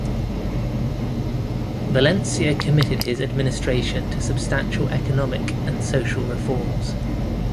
Valencia committed his administration to substantial economic and social reforms.